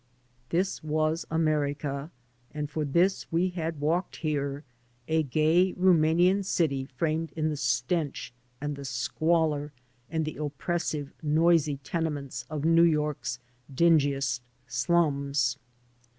This was America, and for this we had walked here — a gay Rumanian city framed in the stench and the squalor and the oppressive, noisy tenements of New York's dingiest slums.